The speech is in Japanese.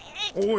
おい！